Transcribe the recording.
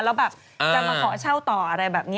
แล้วแบบจะมาขอเช่าต่ออะไรแบบนี้